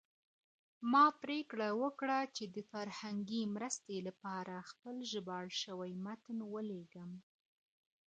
ما پرېکړه وکړه چې د فرهنګي مرستې لپاره خپل ژباړل شوی متن ولیږم.